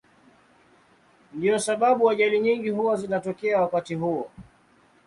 Ndiyo sababu ajali nyingi huwa zinatokea wakati huo.